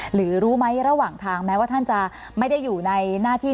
หรือรู้ไหมระหว่างทางแม้ว่าท่านจะไม่ได้อยู่ในหน้าที่